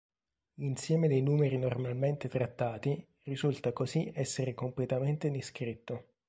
L'insieme dei numeri normalmente trattati risulta così essere completamente descritto.